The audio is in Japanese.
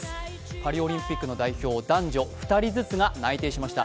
パリオリンピックの代表男女２人ずつが内定しました。